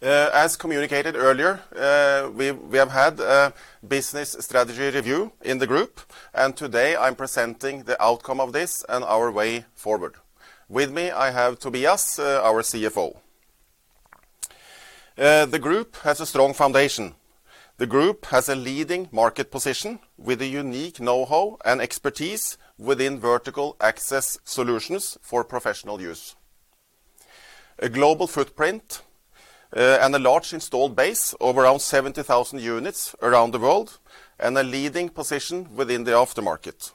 As communicated earlier, we have had a business strategy review in the Alimak Group, and today I'm presenting the outcome of this and our way forward. With me, I have Tobias, our CFO. The Alimak Group has a strong foundation. The Alimak Group has a leading market position with a unique knowhow and expertise within vertical access solutions for professional use. A global footprint, and a large installed base of around 70,000 units around the world, and a leading position within the aftermarket.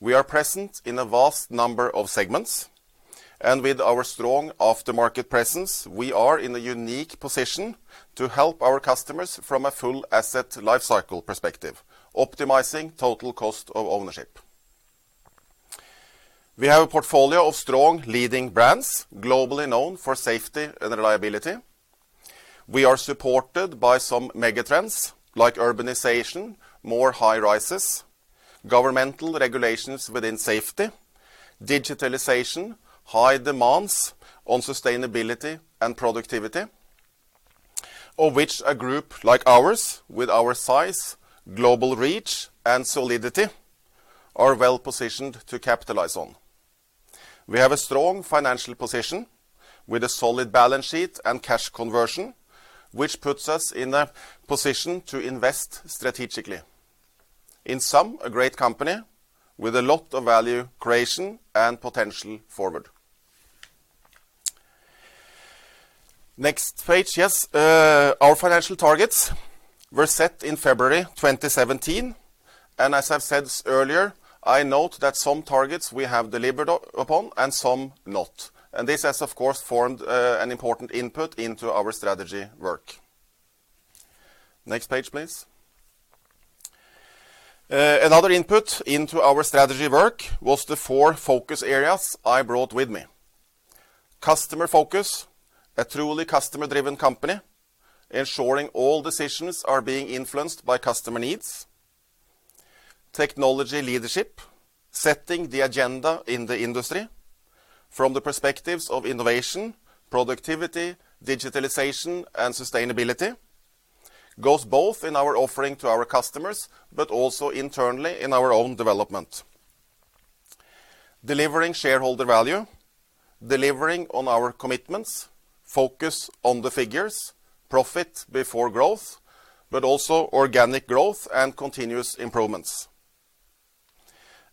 We are present in a vast number of segments, and with our strong aftermarket presence, we are in a unique position to help our customers from a full asset lifecycle perspective, optimizing total cost of ownership. We have a portfolio of strong leading brands globally known for safety and reliability. We are supported by some megatrends like urbanization, more high-rises, governmental regulations within safety, digitalization, high demands on sustainability and productivity, of which a group like ours, with our size, global reach, and solidity, are well-positioned to capitalize on. We have a strong financial position with a solid balance sheet and cash conversion, which puts us in a position to invest strategically. In sum, a great company with a lot of value creation and potential forward. Next page. Yes. Our financial targets were set in February 2017, and as I've said earlier, I note that some targets we have delivered upon and some not. This has, of course, formed an important input into our strategy work. Next page, please. Another input into our strategy work was the four focus areas I brought with me. Customer focus, a truly customer-driven company, ensuring all decisions are being influenced by customer needs. Technology leadership, setting the agenda in the industry from the perspectives of innovation, productivity, digitalization, and sustainability. Goes both in our offering to our customers, also internally in our own development. Delivering shareholder value, delivering on our commitments, focus on the figures, profit before growth, also organic growth and continuous improvements.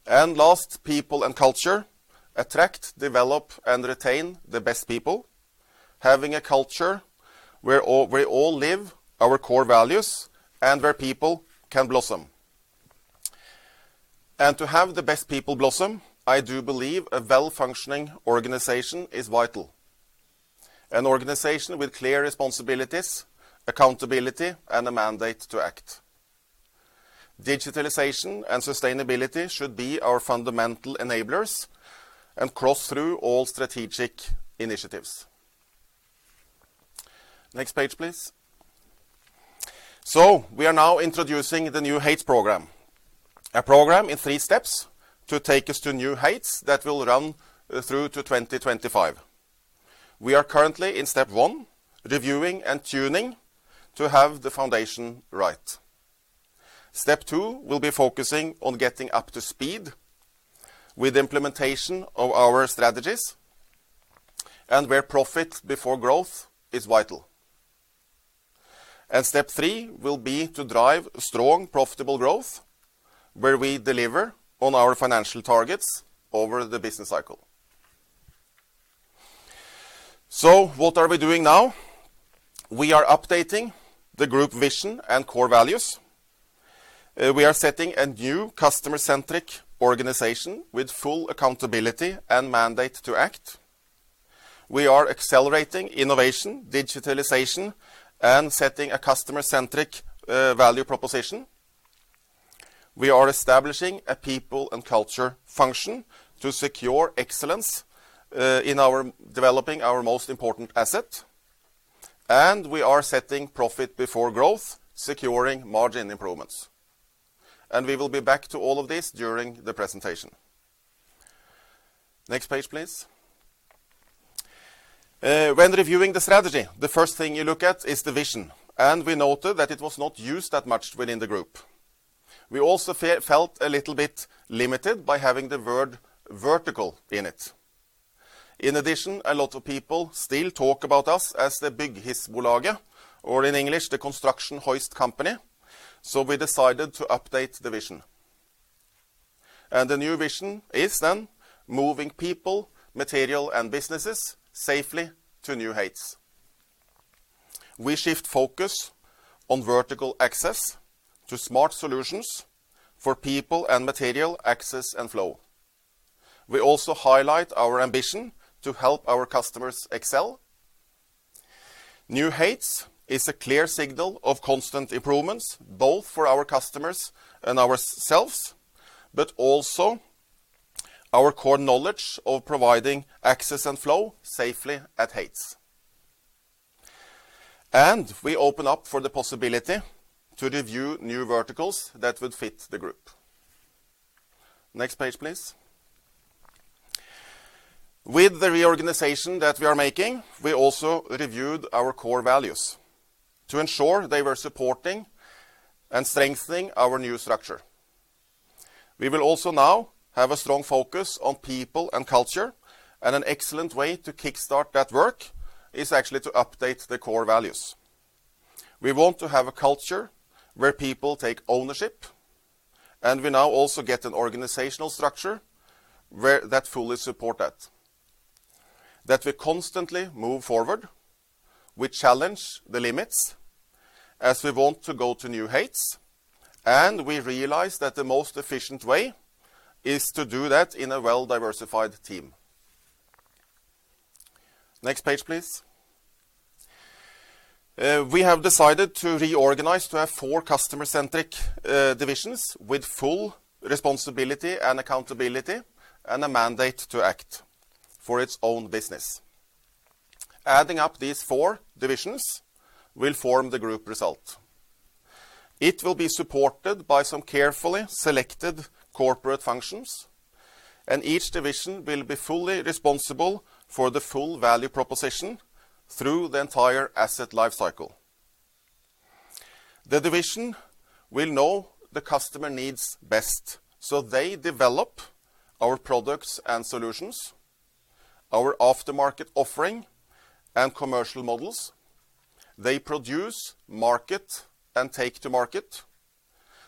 Last, people and culture. Attract, develop, and retain the best people, having a culture where we all live our core values and where people can blossom. To have the best people blossom, I do believe a well functioning organization is vital. An organization with clear responsibilities, accountability, and a mandate to act. Digitalization and sustainability should be our fundamental enablers and cross through all strategic initiatives. Next page, please. We are now introducing the New Heights program. A program in three steps to take us to new heights that will run through to 2025. We are currently in step one, reviewing and tuning to have the foundation right. Step two will be focusing on getting up to speed with implementation of our strategies and where profit before growth is vital. Step three will be to drive strong, profitable growth where we deliver on our financial targets over the business cycle. What are we doing now? We are updating the group vision and core values. We are setting a new customer-centric organization with full accountability and mandate to act. We are accelerating innovation, digitalization, and setting a customer-centric value proposition. We are establishing a people and culture function to secure excellence in developing our most important asset. We are setting profit before growth, securing margin improvements. We will be back to all of this during the presentation. Next page, please. When reviewing the strategy, the first thing you look at is the vision, and we noted that it was not used that much within the group. We also felt a little bit limited by having the word vertical in it. In addition, a lot of people still talk about us as the Bygghissbolaget, or in English, the construction hoist company. We decided to update the vision. The new vision is moving people, material, and businesses safely to New Heights. We shift focus on vertical access to smart solutions for people and material access and flow. We also highlight our ambition to help our customers excel. New Heights is a clear signal of constant improvements, both for our customers and ourselves, but also our core knowledge of providing access and flow safely at heights. We open up for the possibility to review new verticals that would fit the group. Next page, please. With the reorganization that we are making, we also reviewed our core values to ensure they were supporting and strengthening our new structure. We will also now have a strong focus on people and culture, and an excellent way to kickstart that work is actually to update the core values. We want to have a culture where people take ownership, and we now also get an organizational structure that fully support that. That we constantly move forward. We challenge the limits, as we want to go to New Heights, and we realize that the most efficient way is to do that in a well-diversified team. Next page, please. We have decided to reorganize to have four customer-centric divisions with full responsibility and accountability and a mandate to act for its own business. Adding up these four divisions will form the group result. It will be supported by some carefully selected corporate functions, and each division will be fully responsible for the full value proposition through the entire asset life cycle. The division will know the customer needs best, so they develop our products and solutions, our aftermarket offering and commercial models. They produce, market, and take to market.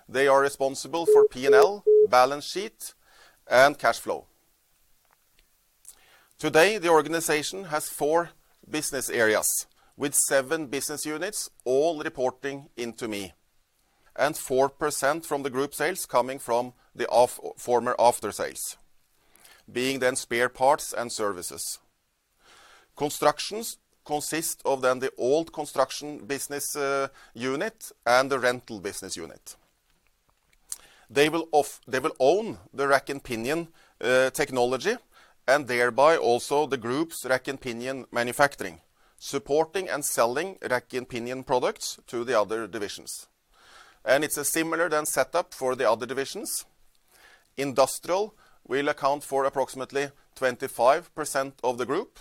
They are responsible for P&L, balance sheet, and cash flow. Today, the organization has four business areas with seven business units, all reporting into me, and 4% from the group sales coming from the former aftersales, being then spare parts and services. Construction consist of then the old construction business unit and the rental business unit. They will own the rack and pinion technology and thereby also the group's rack and pinion manufacturing, supporting and selling rack and pinion products to the other divisions. It's a similar then set up for the other divisions. Industrial will account for approximately 25% of the group,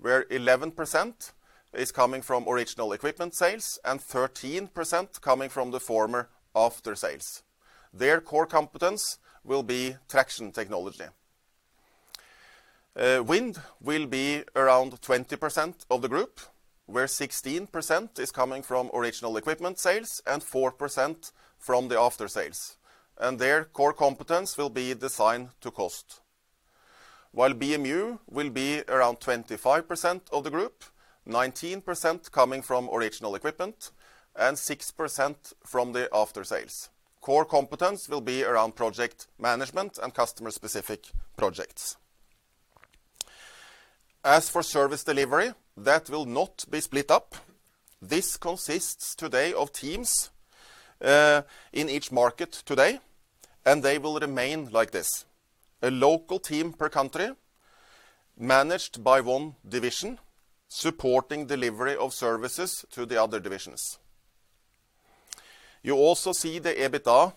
where 11% is coming from original equipment sales and 13% coming from the former aftersales. Their core competence will be traction technology. Wind will be around 20% of the group, where 16% is coming from original equipment sales and 4% from the aftersales, and their core competence will be design to cost. While BMU will be around 25% of the group, 19% coming from original equipment and 6% from the aftersales. Core competence will be around project management and customer-specific projects. As for service delivery, that will not be split up. This consists today of teams in each market today, and they will remain like this. A local team per country, managed by one division, supporting delivery of services to the other divisions. You also see the EBITDA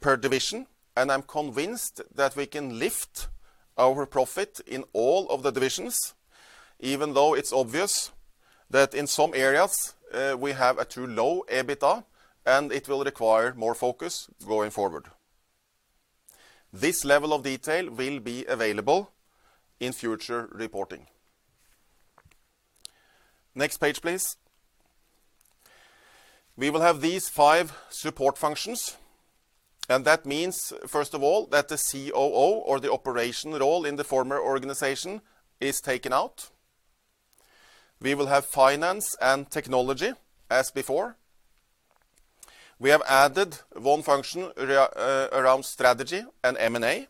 per division, and I'm convinced that we can lift our profit in all of the divisions, even though it's obvious that in some areas, we have a too low EBITDA, and it will require more focus going forward. This level of detail will be available in future reporting. Next page, please. We will have these five support functions. That means, first of all, that the COO or the operation role in the former organization is taken out. We will have finance and technology as before. We have added one function around strategy and M&A.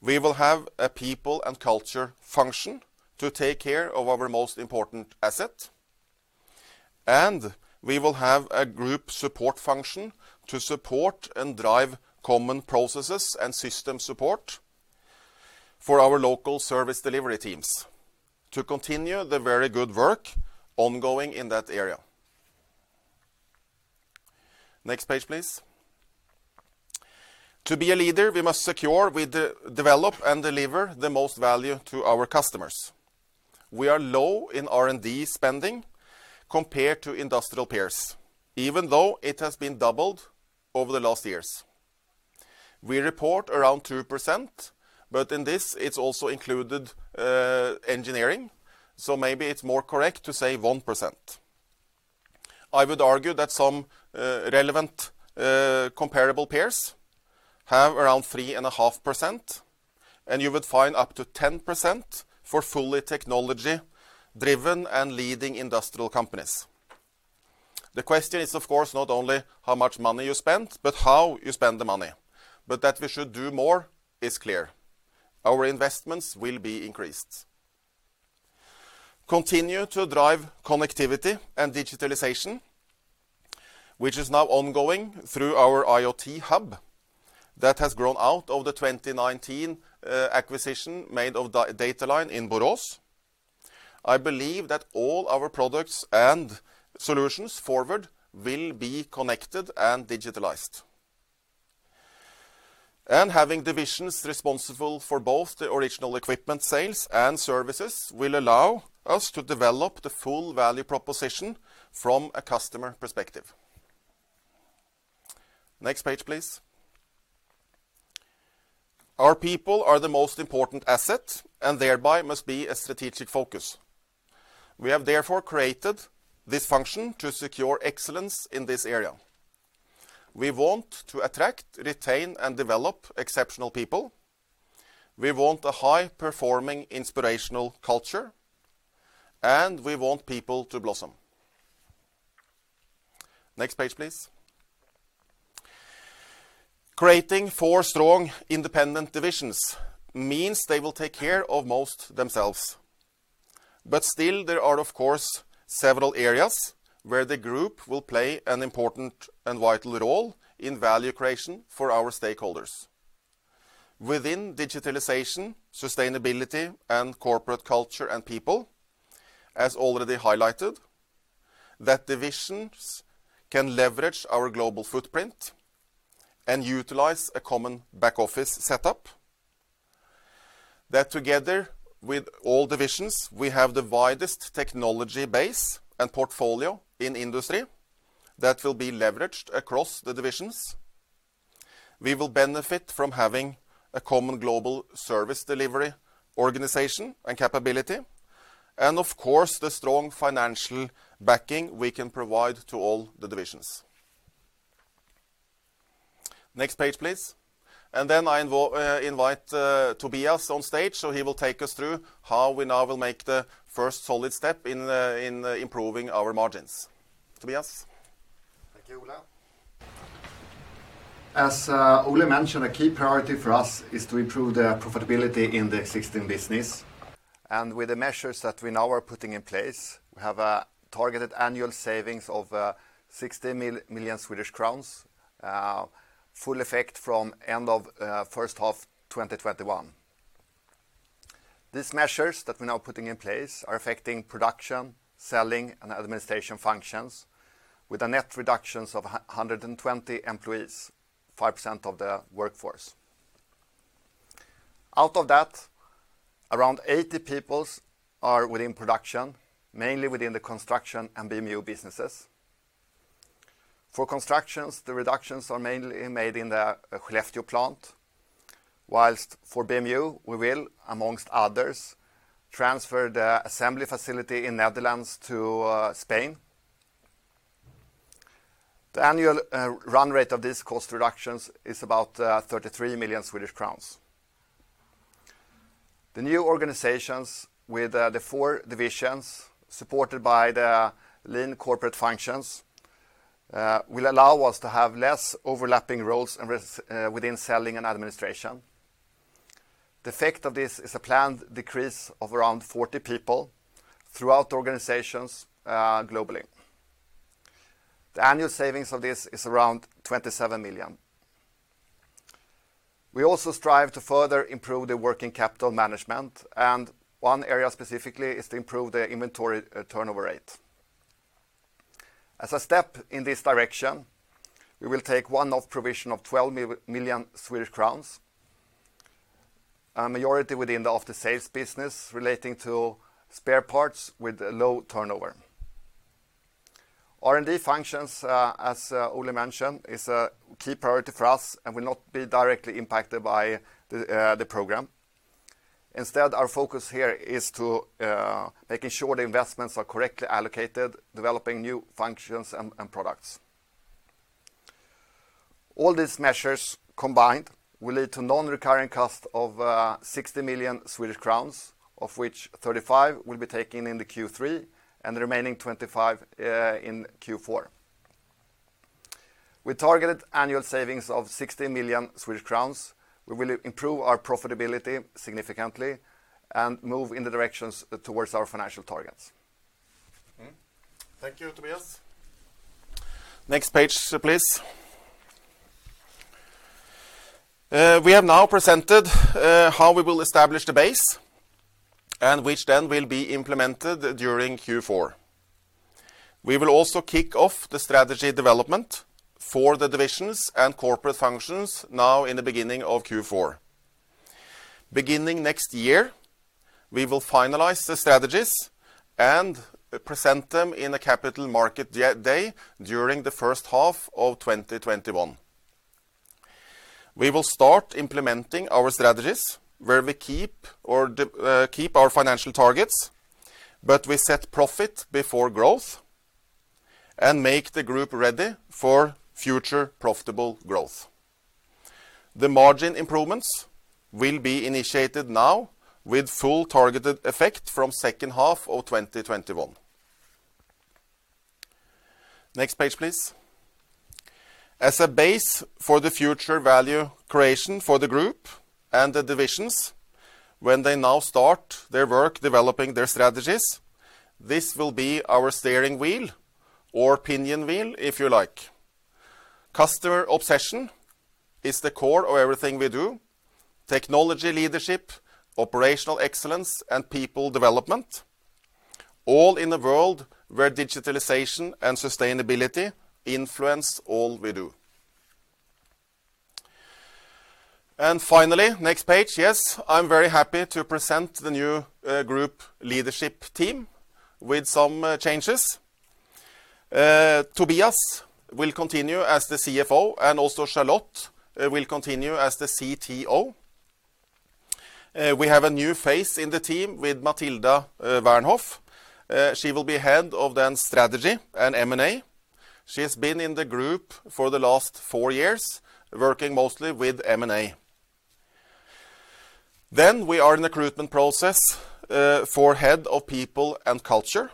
We will have a people and culture function to take care of our most important asset. We will have a group support function to support and drive common processes and system support for our local service delivery teams to continue the very good work ongoing in that area. Next page, please. To be a leader, we must secure we develop and deliver the most value to our customers. We are low in R&D spending compared to industrial peers, even though it has been doubled over the last years. We report around 2%, but in this, it is also included engineering, so maybe it is more correct to say 1%. I would argue that some relevant comparable peers have around 3.5%, and you would find up to 10% for fully technology driven and leading industrial companies. The question is, of course, not only how much money you spend, but how you spend the money. That we should do more is clear. Our investments will be increased. Continue to drive connectivity and digitalization, which is now ongoing through our IoT Hub that has grown out of the 2019 acquisition made of Dataline in Borås. I believe that all our products and solutions forward will be connected and digitalized. Having divisions responsible for both the original equipment sales and services will allow us to develop the full value proposition from a customer perspective. Next page, please. Our people are the most important asset and thereby must be a strategic focus. We have therefore created this function to secure excellence in this area. We want to attract, retain, and develop exceptional people. We want a high-performing, inspirational culture, and we want people to blossom. Next page, please. Creating four strong independent divisions means they will take care of most themselves. Still, there are, of course, several areas where the group will play an important and vital role in value creation for our stakeholders. Within digitalization, sustainability, and corporate culture and people, as already highlighted, that divisions can leverage our global footprint and utilize a common back-office setup. That together with all divisions, we have the widest technology base and portfolio in the industry that will be leveraged across the divisions. We will benefit from having a common global service delivery organization and capability, and of course, the strong financial backing we can provide to all the divisions. Next page, please. Then I invite Tobias on stage, so he will take us through how we now will make the first solid step in improving our margins. Tobias? Thank you, Ole. As Ole mentioned, a key priority for us is to improve the profitability in the existing business. With the measures that we now are putting in place, we have a targeted annual savings of 60 million Swedish crowns, full effect from end of first half 2021. These measures that we're now putting in place are affecting production, selling, and administration functions with a net reductions of 120 employees, 5% of the workforce. Out of that, around 80 people are within production, mainly within the Construction and BMU businesses. For Construction, the reductions are mainly made in the Skellefteå plant, whilst for BMU, we will, amongst others, transfer the assembly facility in the Netherlands to Spain. The annual run rate of these cost reductions is about 33 million Swedish crowns. The new organizations with the four divisions, supported by the lean corporate functions, will allow us to have less overlapping roles within selling and administration. The effect of this is a planned decrease of around 40 people throughout organizations globally. The annual savings of this is around 27 million. We also strive to further improve the working capital management, and one area specifically is to improve the inventory turnover rate. As a step in this direction, we will take one-off provision of 12 million Swedish crowns, a majority within the after-sales business relating to spare parts with a low turnover. R&D functions, as Ole mentioned, is a key priority for us and will not be directly impacted by the program. Instead, our focus here is to making sure the investments are correctly allocated, developing new functions and products. All these measures combined will lead to non-recurring cost of 60 million Swedish crowns, of which 35 will be taken in the Q3 and the remaining 25 in Q4. With targeted annual savings of 60 million Swedish crowns, we will improve our profitability significantly and move in the directions towards our financial targets. Thank you, Tobias. Next page, please. We have now presented how we will establish the base and which will be implemented during Q4. We will also kick off the strategy development for the divisions and corporate functions now in the beginning of Q4. Beginning next year, we will finalize the strategies and present them in a Capital Markets Day during the first half of 2021. We will start implementing our strategies where we keep our financial targets, we set profit before growth and make the group ready for future profitable growth. The margin improvements will be initiated now with full targeted effect from second half of 2021. Next page, please. As a base for the future value creation for the group and the divisions, when they now start their work developing their strategies, this will be our steering wheel or pinion wheel, if you like. Customer obsession is the core of everything we do. Technology leadership, operational excellence, and people development, all in a world where digitalization and sustainability influence all we do. Finally, next page. Yes, I'm very happy to present the new group leadership team with some changes. Tobias will continue as the CFO, and also Charlotte will continue as the CTO. We have a new face in the team with Matilda Wernhoff. She will be head of then strategy and M&A. She has been in the group for the last four years, working mostly with M&A. We are in a recruitment process for head of people and culture,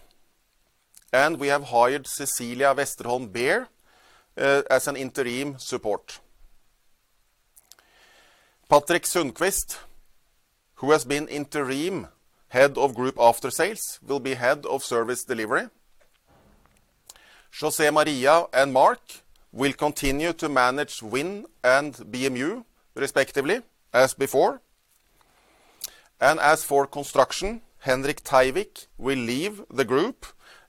and we have hired Cecilia Westerholm Beer as an interim support. Patrik Sundqvist, who has been interim Head of Group After Sales, will be Head of Service Delivery. José Maria and Mark will continue to manage Wind and BMU, respectively, as before. As for Construction, Henrik Teiwik will leave the group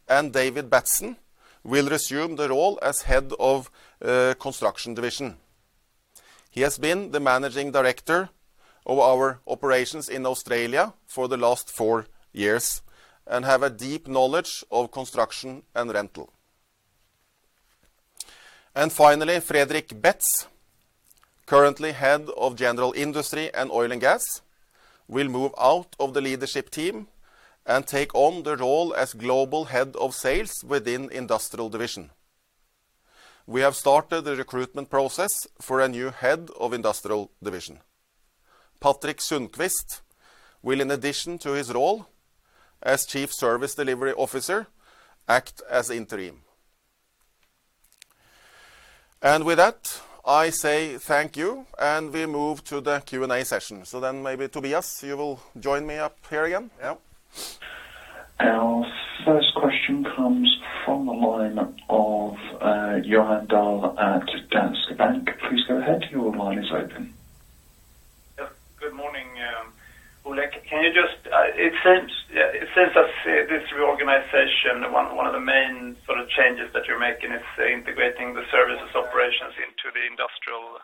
and David Batson will resume the role as Head of Construction Division. He has been the Managing Director of our operations in Australia for the last four years and have a deep knowledge of construction and rental. Finally, Fredrik Betts, currently Head of General Industry and Oil and Gas, will move out of the leadership team and take on the role as Global Head of Sales within Industrial Division. We have started the recruitment process for a new Head of Industrial Division. Patrik Sundqvist will, in addition to his role as Chief Service Delivery Officer, act as Interim. With that, I say thank you, and we move to the Q&A session. Maybe Tobias, you will join me up here again? Yep. Our first question comes from the line of Johan Dahl at Danske Bank. Please go ahead. Your line is open. Good morning. Ole, it seems that this reorganization, one of the main changes that you're making is integrating the services operations into the Industrial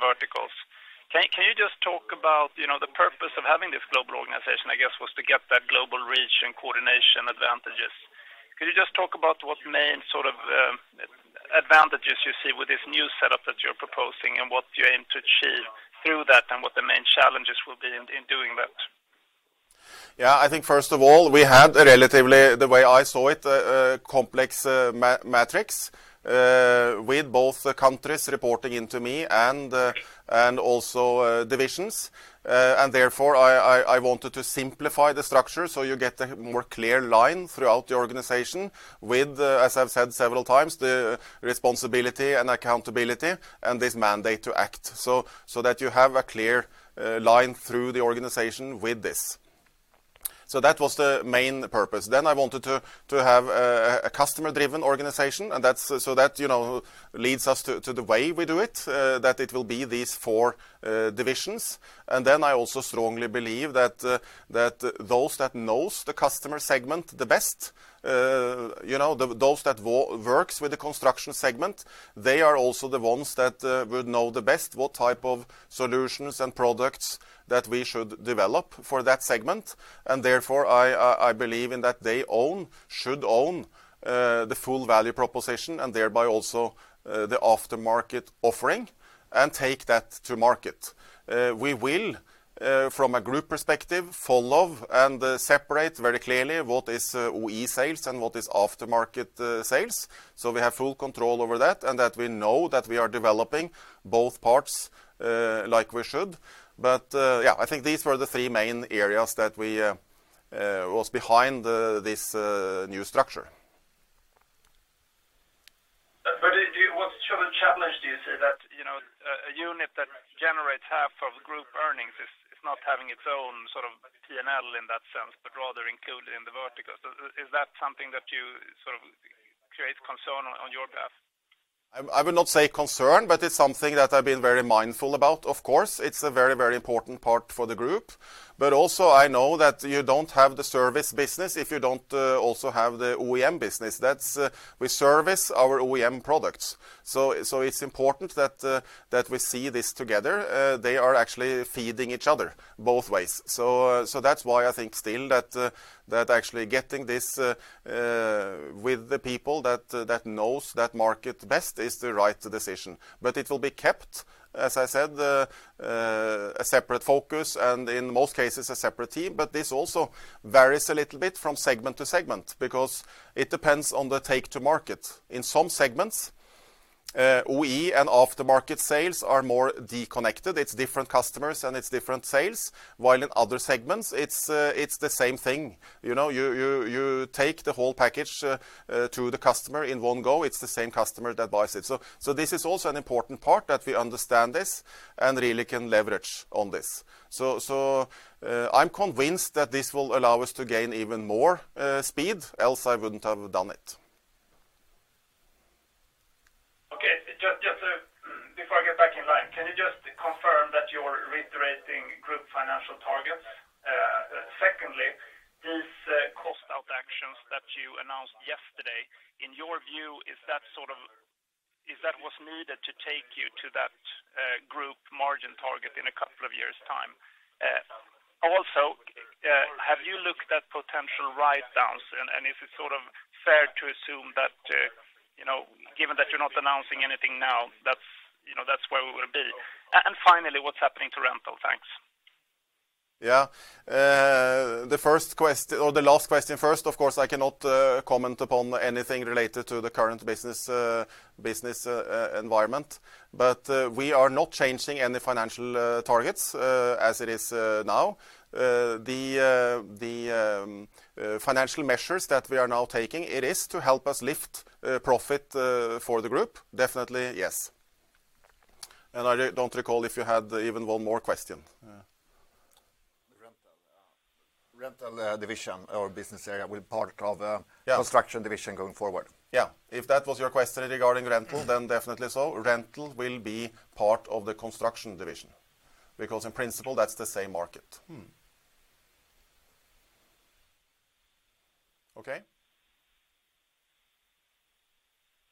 verticals. Can you just talk about the purpose of having this global organization, I guess, was to get that global reach and coordination advantages. Can you just talk about what main advantages you see with this new setup that you're proposing and what you aim to achieve through that and what the main challenges will be in doing that? Yeah, I think first of all, we had a relatively, the way I saw it, complex matrix, with both the countries reporting into me and also divisions. Therefore, I wanted to simplify the structure so you get a more clear line throughout the organization with, as I've said several times, the responsibility and accountability and this mandate to act, so that you have a clear line through the organization with this. That was the main purpose. I wanted to have a customer-driven organization that leads us to the way we do it, that it will be these four divisions. I also strongly believe that those that knows the customer segment the best, those that works with the Construction segment, they are also the ones that would know the best what type of solutions and products that we should develop for that segment. Therefore, I believe in that they own, should own, the full value proposition and thereby also the aftermarket offering and take that to market. We will, from a group perspective, follow and separate very clearly what is OE sales and what is aftermarket sales. We have full control over that and that we know that we are developing both parts like we should. Yeah, I think these were the three main areas that was behind this new structure. What sort of challenge do you see that a unit that generates half of group earnings is not having its own P&L in that sense, but rather included in the vertical. Is that something that creates concern on your behalf? I would not say concern, it's something that I've been very mindful about, of course. It's a very important part for the Group. Also I know that you don't have the service business if you don't also have the OEM business. We service our OEM products. It's important that we see this together. They are actually feeding each other both ways. That's why I think still that actually getting this with the people that knows that market the best is the right decision. It will be kept, as I said, a separate focus and in most cases, a separate team. This also varies a little bit from segment to segment because it depends on the take to market. In some segments, OE and aftermarket sales are more deconnected. It's different customers and it's different sales. While in other segments, it's the same thing. You take the whole package to the customer in one go. It's the same customer that buys it. This is also an important part that we understand this and really can leverage on this. I'm convinced that this will allow us to gain even more speed, else I wouldn't have done it. Just before I get back in line, can you just confirm that you're reiterating group financial targets? Secondly, these cost out actions that you announced yesterday, in your view, is that what's needed to take you to that group margin target in a couple of years' time? Also, have you looked at potential write-downs, and is it fair to assume that, given that you're not announcing anything now, that's where we will be? Finally, what's happening to Rental? Thanks. The last question first, of course, I cannot comment upon anything related to the current business environment. We are not changing any financial targets as it is now. The financial measures that we are now taking, it is to help us lift profit for the group. Definitely, yes. I don't recall if you had even one more question. Rental division or business area will be part of. Yeah Construction division going forward. Yeah. If that was your question regarding Rental, definitely so. Rental will be part of the Construction division because in principle, that's the same market. Okay.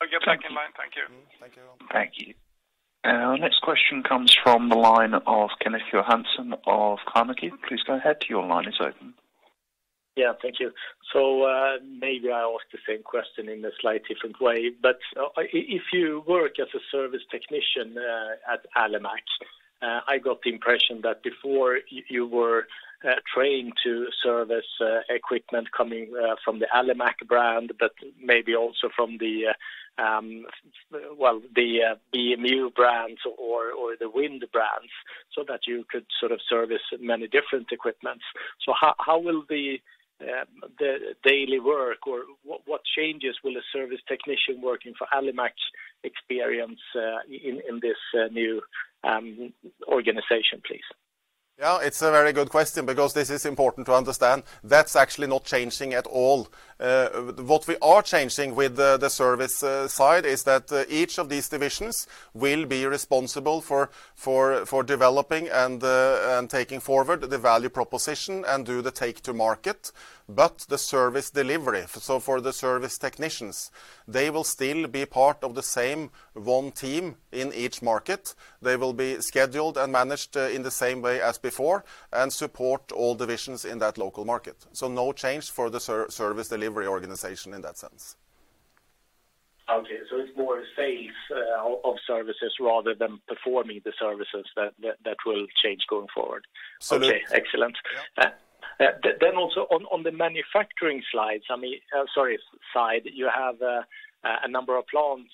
Okay. Back in line. Thank you. Thank you. Thank you. Our next question comes from the line of Kenneth Johansson of Carnegie. Please go ahead, your line is open. Yeah, thank you. Maybe I ask the same question in a slightly different way. If you work as a service technician at Alimak, I got the impression that before you were trained to service equipment coming from the Alimak brand, but maybe also from the BMU brands or the Wind brands so that you could service many different equipment. How will the daily work, or what changes will a service technician working for Alimak experience in this new organization, please? Yeah, it's a very good question because this is important to understand. That's actually not changing at all. What we are changing with the service side is that each of these divisions will be responsible for developing and taking forward the value proposition and do the take to market. The service delivery, so for the service technicians, they will still be part of the same one team in each market. They will be scheduled and managed in the same way as before and support all divisions in that local market. No change for the service delivery organization in that sense. Okay, it's more a phase of services rather than performing the services that will change going forward. Absolutely. Okay, excellent. Yeah. Also on the manufacturing side, you have a number of plants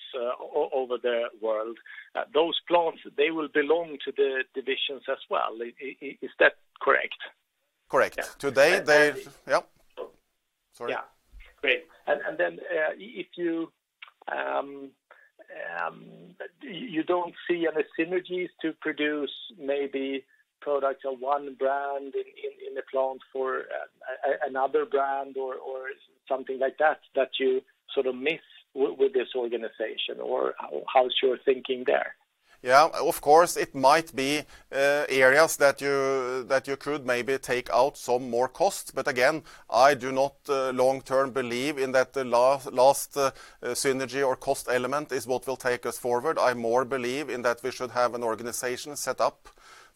over the world. Those plants, they will belong to the divisions as well. Is that correct? Correct. Today. Yep. Sorry. Yeah. Great. You don't see any synergies to produce maybe products of one brand in a plant for another brand or something like that you miss with this organization, or how's your thinking there? Yeah. Of course, it might be areas that you could maybe take out some more costs. Again, I do not long-term believe in that last synergy or cost element is what will take us forward. I more believe in that we should have an organization set up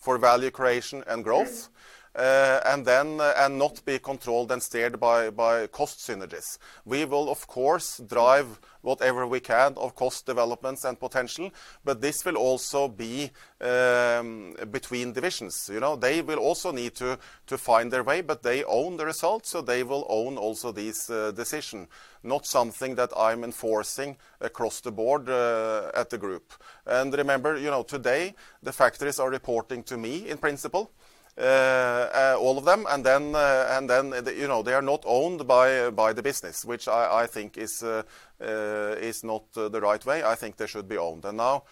for value creation and growth, and not be controlled and steered by cost synergies. We will, of course, drive whatever we can of cost developments and potential, but this will also be between divisions. They will also need to find their way, but they own the results, so they will own also this decision, not something that I'm enforcing across the board at the group. Remember, today the factories are reporting to me in principle, all of them, and then they are not owned by the business, which I think is not the right way. I think they should be owned. Now,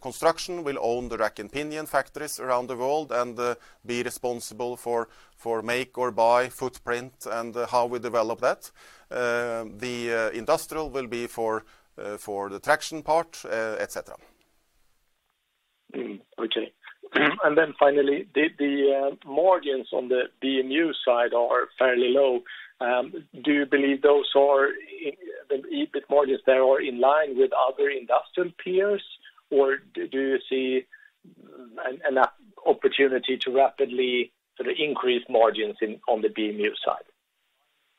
Construction will own the rack-and-pinion factories around the world and be responsible for make or buy footprint and how we develop that. The Industrial will be for the traction part, et cetera. Okay. Finally, the margins on the BMU side are fairly low. Do you believe those or the EBIT margins there are in line with other industrial peers, or do you see an opportunity to rapidly increase margins on the BMU side?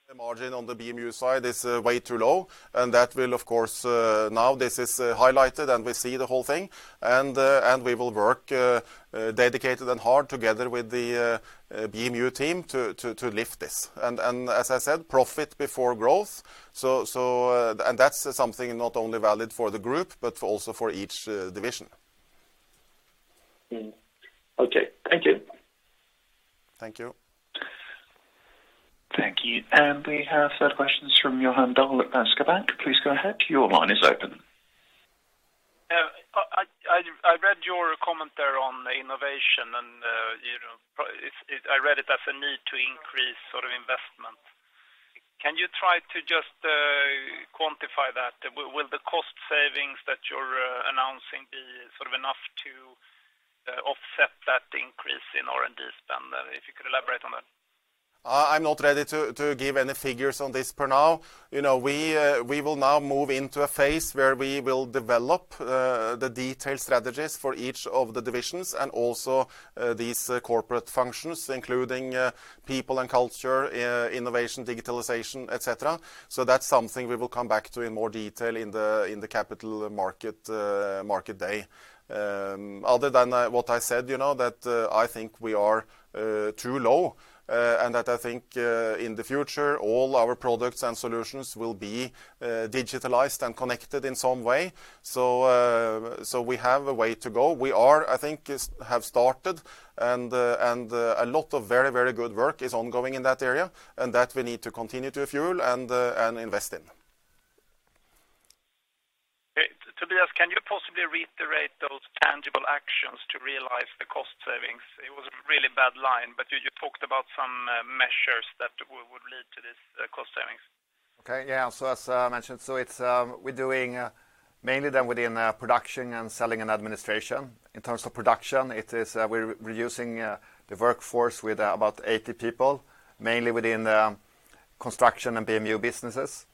The margin on the BMU side is way too low, and that will, of course, now this is highlighted and we see the whole thing, and we will work dedicated and hard together with the BMU team to lift this. As I said, profit before growth. That's something not only valid for the group, but also for each division. Okay. Thank you. Thank you. Thank you. We have a third question from Johan Dahl of Danske Bank. Please go ahead. Your line is open. I read your comment there on innovation, and I read it as a need to increase investment. Can you try to just quantify that? Will the cost savings that you're announcing be enough to offset that increase in R&D spend? If you could elaborate on that. I'm not ready to give any figures on this for now. We will now move into a phase where we will develop the detailed strategies for each of the divisions and also these corporate functions, including people and culture, innovation, digitalization, et cetera. That's something we will come back to in more detail in the Capital Markets Day. Other than what I said, that I think we are too low, and that I think in the future, all our products and solutions will be digitalized and connected in some way. We have a way to go. We are, I think, have started and a lot of very good work is ongoing in that area, and that we need to continue to fuel and invest in. Okay. Tobias, can you possibly reiterate those tangible actions to realize the cost savings? It was a really bad line. You talked about some measures that would lead to these cost savings. Okay. Yeah. As mentioned, we're doing mainly within production and selling and administration. In terms of production, we're reducing the workforce with about 80 people, mainly within the Construction and BMU businesses.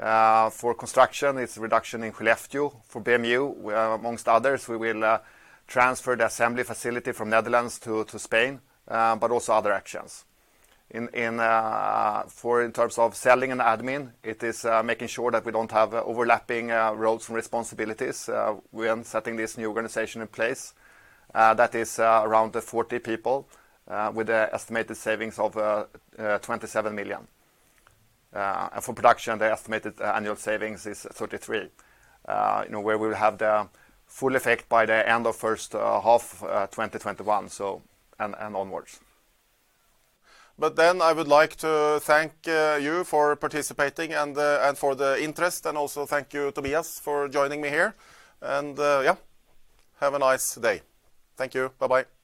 For Construction, it's a reduction in Skellefteå. For BMU, amongst others, we will transfer the assembly facility from Netherlands to Spain, also other actions. In terms of selling and admin, making sure that we don't have overlapping roles and responsibilities when setting this new organization in place. That is around 40 people, with the estimated savings of 27 million. For production, the estimated annual savings is 33 million, where we will have the full effect by the end of first half 2021, onwards. I would like to thank you for participating and for the interest, also thank you, Tobias, for joining me here. Yeah, have a nice day. Thank you. Bye-bye. Bye.